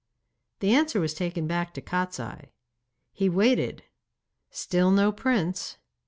The answer was taken back to Kostiei. He waited; still no prince.